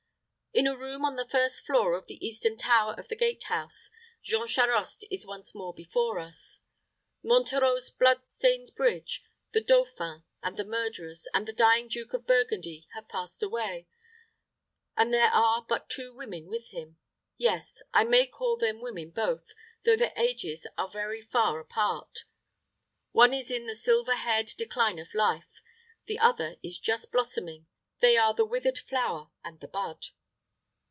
In a room on the first floor of the eastern tower of the gate house, Jean Charost is once more before us. Monterreau's blood stained bridge, the dauphin and the murderers, and the dying Duke of Burgundy, have passed away; and there are but two women with him. Yes, I may call them women both, though their ages are very far apart. One is in the silver haired decline of life, the other is just blossoming; they are the withered flower and the bud.